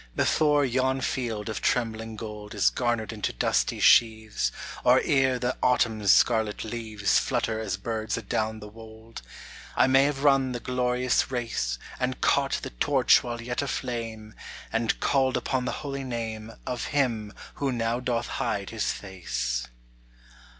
Before yon field of trembling gold Is garnered into dusty sheaves, Or ere the autumn's scarlet leaves Flutter as birds adown the wold, I may have run the glorious race, And caught the torch while yet aflame, And called upon the holy name Of him who now doth hide his face.